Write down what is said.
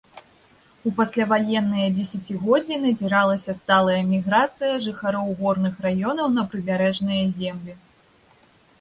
У пасляваенныя дзесяцігоддзі назіралася сталая міграцыя жыхароў горных раёнаў на прыбярэжныя землі.